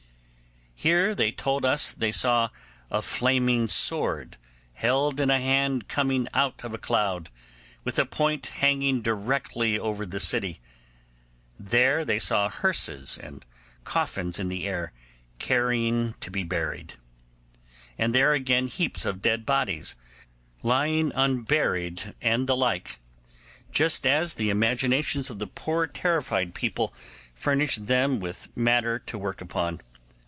Here they told us they saw a flaming sword held in a hand coming out of a cloud, with a point hanging directly over the city; there they saw hearses and coffins in the air carrying to be buried; and there again, heaps of dead bodies lying unburied, and the like, just as the imagination of the poor terrified people furnished them with matter to work upon.